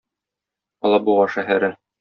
Алабуга шәһәре.